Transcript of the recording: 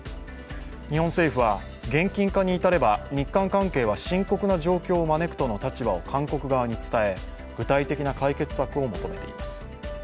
日本政府は、現金化に至れば日韓関係は深刻な状況を招くとの立場を韓国側に伝え、具体的な解決策を求めています。